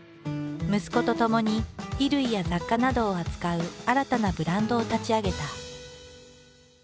息子とともに衣類や雑貨などを扱う新たなブランドを立ち上げた。